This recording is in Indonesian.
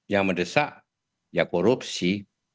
yang mendesak ya korupsi